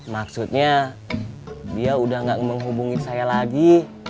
maksudnya dia udah gak menghubungin saya lagi